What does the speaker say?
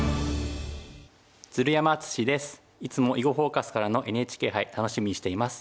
いつも「囲碁フォーカス」からのＮＨＫ杯楽しみにしています。